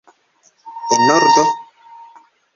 En ordo?